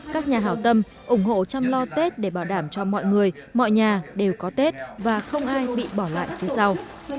các nhà hào tâm ủng hộ chăm lo tết để bảo đảm cho mọi người mọi nhà đều có tết và không ai bị bỏ lại phía sau